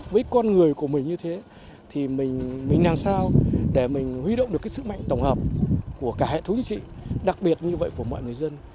với con người của mình như thế thì mình làm sao để mình huy động được cái sức mạnh tổng hợp của cả hệ thống chính trị đặc biệt như vậy của mọi người dân